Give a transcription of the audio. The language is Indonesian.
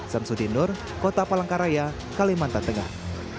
sam sudindor kota palangkaraya kalimantan tengah